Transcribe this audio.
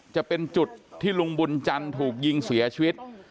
จะเป็นจุดที่ลุงบุญจันทร์ถูกยิงเสียชีวิต